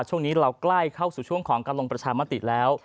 ช่วงนี้เราใกล้เข้าสู่ช่วงของการลงประชามติแล้ว